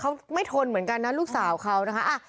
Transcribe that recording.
เขาไม่ทนเหมือนกันนะลูกสาวเขานะคะ